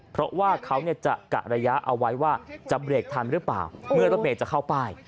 เพราะว่าเขาจะกะระยะเอาไว้ว่าจะเบรกทันหรือเปล่าเมื่อรถเมย์จะเข้าป้าย